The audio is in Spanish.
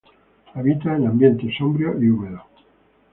Habita en ambientes sombríos y húmedos.